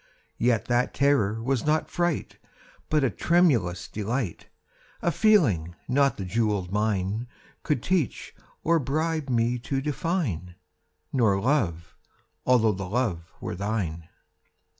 Yet that terror was not fright, But a tremulous delight— A feeling not the jewelled mine Could teach or bribe me to define— Nor Love—although the Love were thine.